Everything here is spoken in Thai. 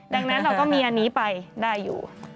ดังนั้นเราก็มีอันนี้ไปได้อยู่